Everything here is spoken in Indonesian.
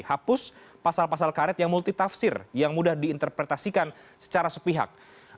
hapus pasal pasal karet yang multitafsir yang mudah diinterpretasikan secara sepihak